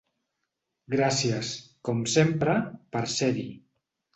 Gràcies, com sempre, per ser-hi.